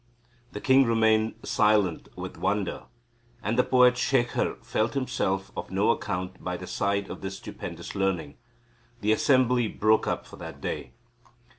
The king remained silent with wonder, and the poet Shekhar felt himself of no account by the side of this stupendous learning. The assembly broke up for that day.